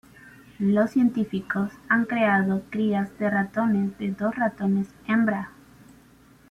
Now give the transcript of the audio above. Los científicos han creado crías de ratón de dos ratones hembra.